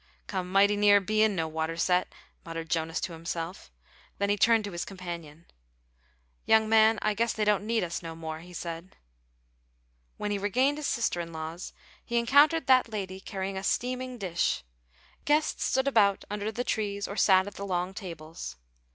"Come mighty near bein' no water set," muttered Jonas to himself; then he turned to his companion. "Young man, I guess they don't need us no more," he said. When he regained his sister in law's, he encountered that lady carrying a steaming dish. Guests stood about under the trees or sat at the long tables.